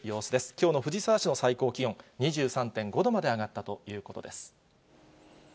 きょうの藤沢市の最高気温、２３．５度まで上がったということです。